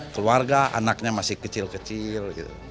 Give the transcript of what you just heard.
keluarga anaknya masih kecil kecil